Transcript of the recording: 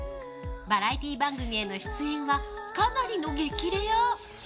バラエティー番組への出演はかなりの激レア。